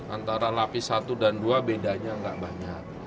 antara lapis satu dan dua bedanya nggak banyak